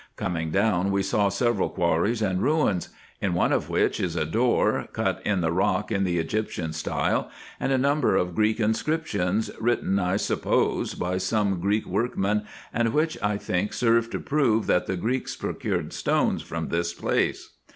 Coming down, we saw several quarries and ruins ; in one of which is a door cut in the rock in the Egyptian style, and a number of Greek inscriptions, written, I suppose, by some Greek workmen, and which I think serve to prove that the Greeks procured stones from this place.